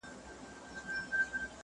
شهیدان دي چي ښخیږي بیرغ ژاړي په جنډۍ کي.